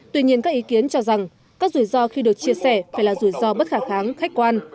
tuy nhiên các ý kiến cho rằng các rủi ro khi được chia sẻ phải là rủi ro bất khả kháng khách quan